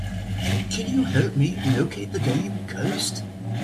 Can you help me locate the game, Coast?